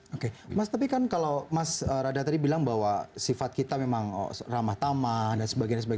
oke mas tapi kan kalau mas rada tadi bilang bahwa sifat kita memang ramah tamah dan sebagainya